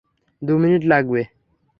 দু মিনিট লাগবে।